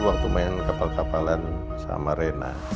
waktu main kapal kapalan sama rena